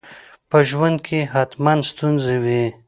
په ژوند کي حتماً ستونزي وي.